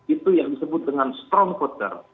itu yang disebut dengan strong voter